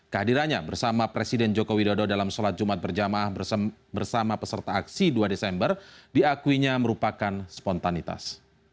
kehadirannya bersama presiden joko widodo dalam sholat jumat berjamaah bersama peserta aksi dua desember diakuinya merupakan spontanitas